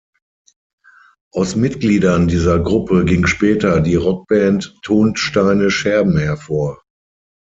Aus Mitgliedern dieser Gruppe ging später die Rockband Ton Steine Scherben hervor.